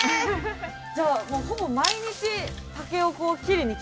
じゃあほぼ毎日竹を切りに来てるんですか？